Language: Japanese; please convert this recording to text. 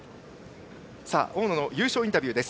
大野の優勝インタビューです。